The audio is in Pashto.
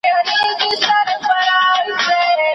ما مي د خضر په اوبو آیینه ومینځله